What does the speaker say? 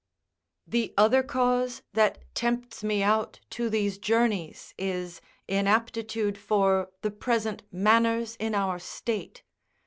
The other cause that tempts me out to these journeys is, inaptitude for the present manners in our state.